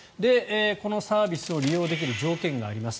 このサービスを利用できる条件があります。